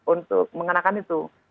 untuk mengenakan itu